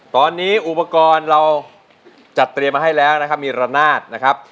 ตอนนี้อุปกรณ์เราจัดเตรียมมาให้แล้วนะครับมีระนาดนะครับ